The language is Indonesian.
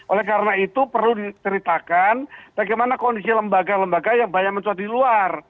oleh karena itu perlu diceritakan bagaimana kondisi lembaga lembaga yang banyak mencuat di luar